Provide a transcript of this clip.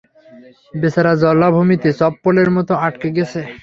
বেচারা জলাভূমিতে চপ্পলের মতো আটকে গেছে।